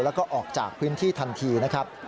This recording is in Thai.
แล้วก็ออกจากพื้นที่ทันทีนะครับ